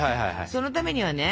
そのためにはね